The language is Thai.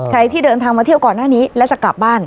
ที่เดินทางมาเที่ยวก่อนหน้านี้และจะกลับบ้าน